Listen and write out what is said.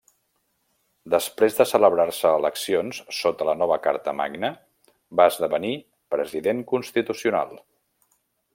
Després de celebrar-se eleccions sota la nova Carta Magna, va esdevenir president constitucional.